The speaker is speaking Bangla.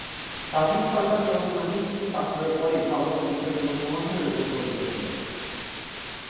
তাজিক সরকার কেবল শান্তিচুক্তি স্বাক্ষরের পরেই আলোচ্য বিষয়গুলোর সমাধানের ওপর জোর দিয়েছিল।